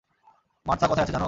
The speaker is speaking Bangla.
মার্থা কোথায় আছে জানো?